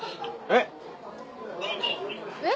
えっ？